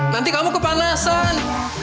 nanti kamu kepanasan